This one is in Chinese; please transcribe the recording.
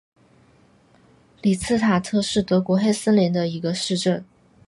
里茨塔特是德国黑森州的一个市镇。